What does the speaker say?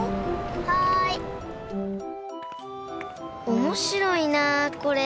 おもしろいなこれ。